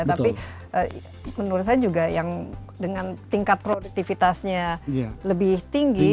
tapi menurut saya juga yang dengan tingkat produktivitasnya lebih tinggi